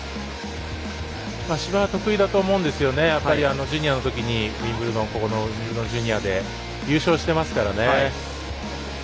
芝は得意だと思いますのでジュニアのときにウィンブルドンジュニアで優勝してますからね。